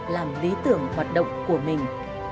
làm lý tưởng hoạt động của mình